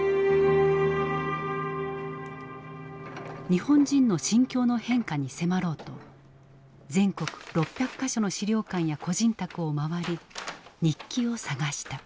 日本人の心境の変化に迫ろうと全国６００か所の資料館や個人宅を回り日記を探した。